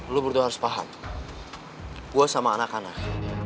lo berdua harus paham gua sama anak anak